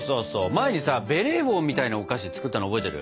前にさベレー帽みたいなお菓子作ったの覚えてる？